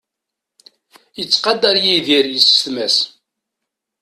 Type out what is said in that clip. Yettqadar Yidir yessetma-s.